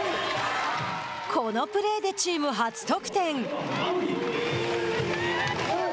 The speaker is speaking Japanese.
このプレーでチーム初得点。